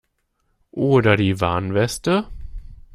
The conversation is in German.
Oder die Warnweste?